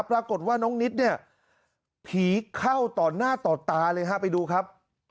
ปรากฏว่าน้องนิดเนี่ยผีเข้าต่อหน้าต่อตาเลยฮะไปดูครับ